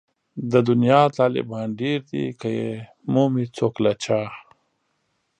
د دنيا طالبان ډېر دي که يې مومي څوک له چا